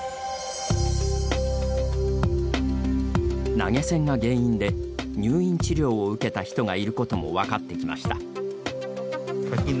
投げ銭が原因で入院治療を受けた人がいることも分かってきました。